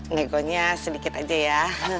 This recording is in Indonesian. negonya sedikit aja ya